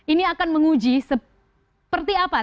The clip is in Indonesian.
ini akan menguji seperti apa